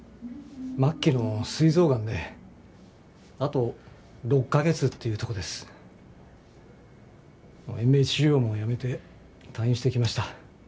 末期の膵臓癌であと６カ月っていうとこですもう延命治療もやめて退院してきました